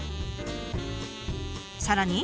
さらに。